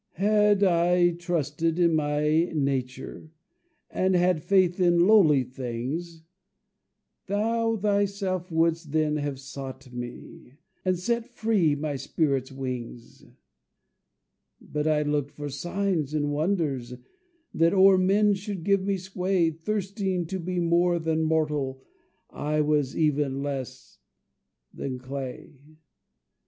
"Had I trusted in my nature, And had faith in lowly things, Thou thyself wouldst then have sought me, And set free my spirit's wings. "But I looked for signs and wonders, That o'er men should give me sway, Thirsting to be more than mortal, I was even less than clay.